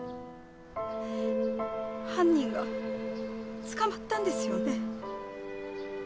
犯人は捕まったんですよね？